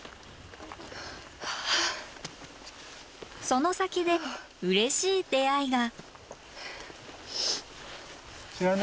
その先でうれしい出会いが。